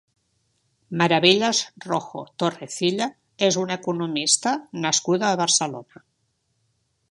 Maravillas Rojo Torrecilla és una economista nascuda a Barcelona.